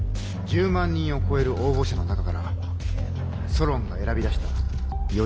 １０万人を超える応募者の中からソロンが選び出した４人です。